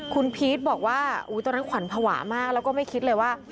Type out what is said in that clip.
คุณพีชบอกว่าตอนนั้นขวัญภาวะมากแล้วก็ไม่คิดเลยว่า